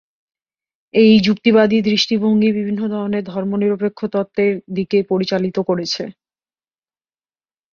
এই যুক্তিবাদী দৃষ্টিভঙ্গি বিভিন্ন ধরনের ধর্মনিরপেক্ষ তত্ত্বের দিকে পরিচালিত করেছে।